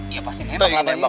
iya pasti nembak